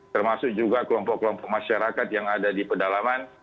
termasuk juga kelompok kelompok masyarakat yang ada di pedalaman